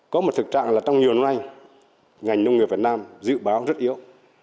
có một thực trạng là trong nhiều năm nay ngành nông nghiệp việt nam dự báo rất yếu